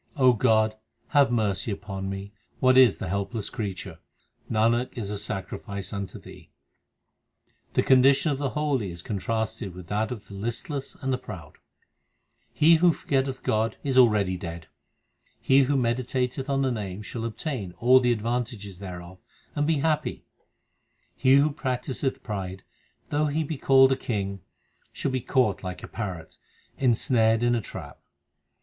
O God, have mercy upon me ; what is the helpless crea ture ? Nanak is a sacrifice unto Thee. The condition of the holy is contrasted with that of the listless and the proud : He who forgetteth God is already dead ; He who meditateth on the Name shall obtain all the ad vantages thereof, and be happy ; He who practiseth pride, though he be called a king, shall be caught like a parrot, insnared in a trap.